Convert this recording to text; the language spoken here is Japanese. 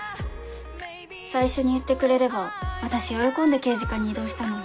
最初に言ってくれれば私喜んで刑事課に異動したのに。